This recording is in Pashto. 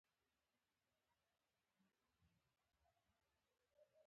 وعده یې وکړه چې ایمېل ته به یې را واستوي.